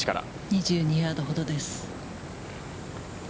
２２ヤードほどです。